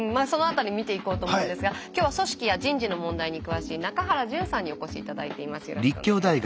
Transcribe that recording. その辺り見ていこうと思うんですが今日は組織や人事の問題に詳しい中原淳さんにお越し頂いています。